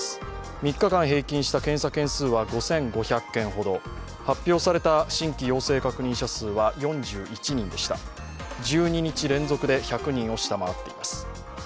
３日間平均した検査件数は５５００件ほど、発表された新規陽性確認者は４１人で１２日連続で１００人を下回っています。